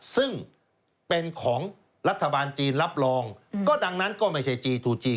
ซึ่งเป็นของรัฐบาลจีนรับรองก็ดังนั้นก็ไม่ใช่จีนทูจี